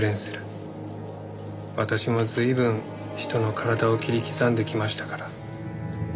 私も随分人の体を切り刻んできましたから。